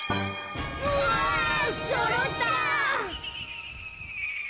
うわそろった！